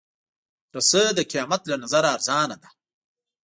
رسۍ د قېمت له نظره ارزانه ده.